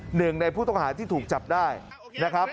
หนึ่งในผู้ต้องหาที่ถูกจับได้นะครับ